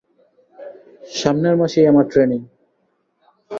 সামনের মাসেই আমার ট্রেনিং।